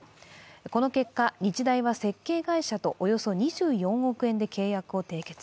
この結果、日大は設計会社とおよそ２４億円で契約を締結。